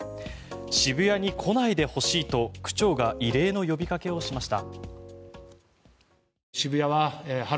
渋谷に来ないでほしいと区長が異例の呼びかけをしました。